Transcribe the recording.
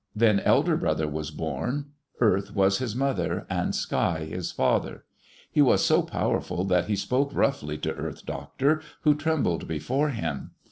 Then Elder Brother was born. Earth was his mother, and Sky his father. He was so powerful that he spoke roughly to Earth Doctor, who trembled before him.